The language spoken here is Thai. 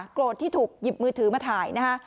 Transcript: โกรธที่ถูกหยิบมือถือมาถ่ายนะคะ